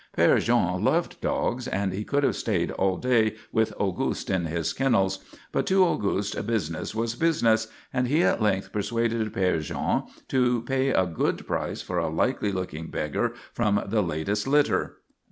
Père Jean loved dogs, and he could have stayed all day with Auguste in his kennels, but to Auguste business was business, and he at length persuaded Père Jean to pay a good price for a likely looking beggar from the latest litter.